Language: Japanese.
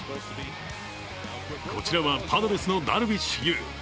こちらはパドレスのダルビッシュ有。